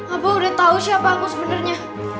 abah udah tau siapa aku sebenernya